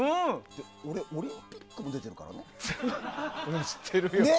俺、オリンピックも出てるからね。